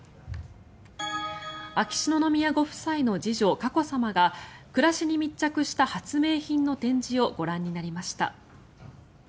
秋篠宮ご夫妻の次女・佳子さまが暮らしに密着した発明品の展示をご覧になりました。